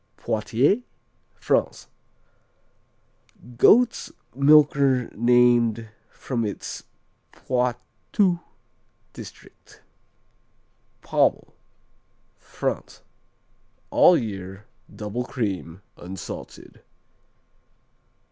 Poitiers France Goat's milker named from its Poitou district. Pommel France All year. Double cream; unsalted.